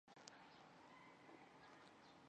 出生于北宁省顺成县。